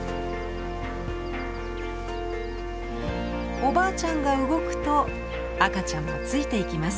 おばあちゃんが動くと赤ちゃんもついていきます。